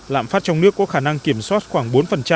lạm phát trong nước có khả năng kiểm soát khoảng bốn